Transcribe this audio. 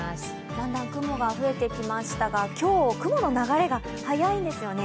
だんだん雲が増えてきましたが今日、雲の流れが速いんですね。